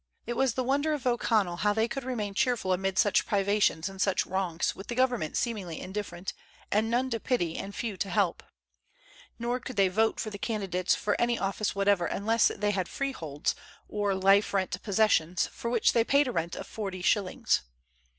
It was the wonder of O'Connell how they could remain cheerful amid such privations and such wrongs, with the government seemingly indifferent, with none to pity and few to help. Nor could they vote for the candidates for any office whatever unless they had freeholds, or life rent possessions, for which they paid a rent of forty shillings.